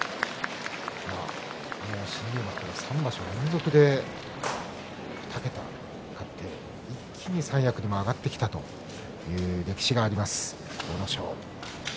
新入幕３場所連続で２桁勝って、一気に三役にも上がってきたという歴史があります、阿武咲。